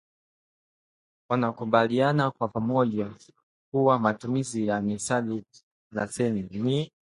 wanakubaliana kwa pamoja kuwa matumizi ya methali na semi ni